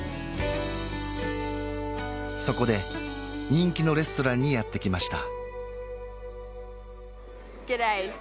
そこで人気のレストランにやってきました